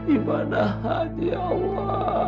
ibadahat ya allah